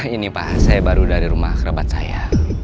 ini pak saya baru dari rumah kerabat saya